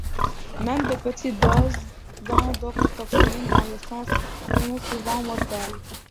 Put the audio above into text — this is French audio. Même de petites doses d'endotoxines dans le sang sont souvent mortelles.